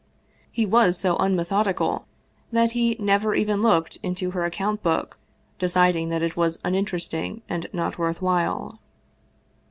He was so unmethodical that he never even looked into her account book, deciding that it was uninteresting and not worth while.